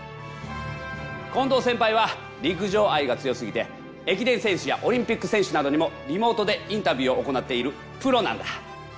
近藤先輩は陸上愛が強すぎて駅伝選手やオリンピック選手などにもリモートでインタビューを行っているプロなんだ。